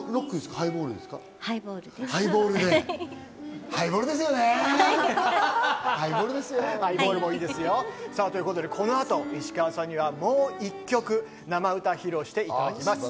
ハイボールですよね。ということでこの後、石川さんにはもう１曲、生歌披露していただきます。